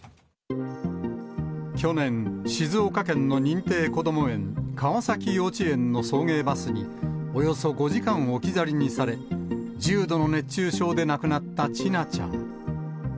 去年、静岡県の認定こども園、川崎幼稚園の送迎バスにおよそ５時間置き去りにされ、重度の熱中症で亡くなった千奈ちゃん。